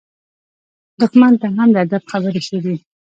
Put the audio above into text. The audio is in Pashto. دښمن ته هم د ادب خبرې ښه دي.